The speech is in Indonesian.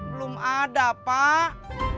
belum ada pak